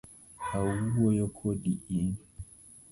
Awuoyo kodi in.